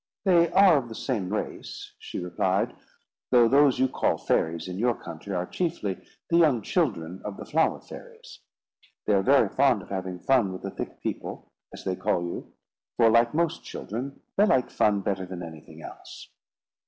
"They are of the same race," she replied; "though those you call fairies in your country are chiefly the young children of the flower fairies. They are very fond of having fun with the thick people, as they call you; for, like most children, they like fun better than anything else."